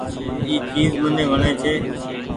اي چيز مني وڻي ڇي۔